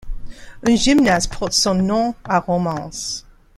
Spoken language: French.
Un gymnase porte son nom à Romans.